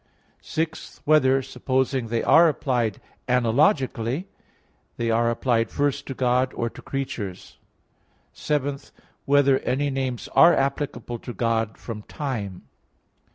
(6) Whether, supposing they are applied analogically, they are applied first to God or to creatures? (7) Whether any names are applicable to God from time?